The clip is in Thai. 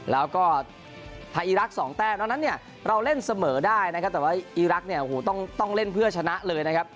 แล้วก็ไทยอีรักษ์๒แต้มนอกนั้นเนี่ยเราเล่นเสมอได้นะครับแต่ว่าอีรักษ์เนี่ยโอ้โหต้องเล่นเพื่อชนะเลยนะครับ